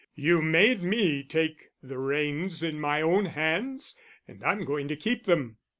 "You made me take the reins in my own hands and I'm going to keep them."